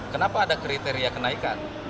kenapa ada kriteria kenaikan